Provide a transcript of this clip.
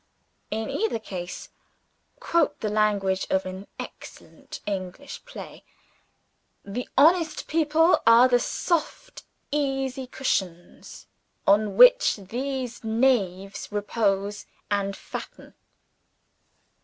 In either case (to quote the language of an excellent English play) the honest people are the soft easy cushions on which these knaves repose and fatten.